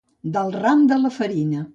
Del ram de la farina.